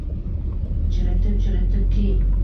Chiritib-chiritib kiy!